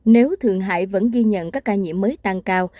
nếu thượng hải vẫn ghi nhận các ca nhiễm mới tăng cao